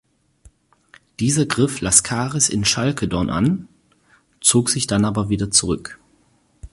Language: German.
Dieser griff Laskaris in Chalkedon an, zog sich dann aber wieder zurück.